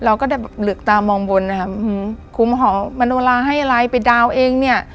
เราก็แบบเหลือกตามองบนอ่ะครูหมอมโมโลลาให้อะไรไปดาวเองเนี่ย